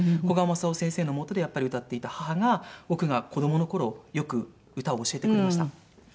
古賀政男先生のもとでやっぱり歌っていた母が僕が子どもの頃よく歌を教えてくれました。